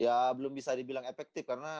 ya belum bisa dibilang efektif karena